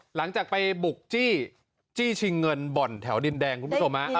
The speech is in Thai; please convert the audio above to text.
หลังจากไปบุกจี้จี้ชิงเงินบ่อนแถวดินแดงคุณผู้ชมฮะ